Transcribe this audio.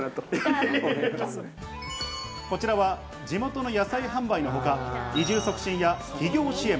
こちらは地元の野菜販売のほか、移住促進や起業支援、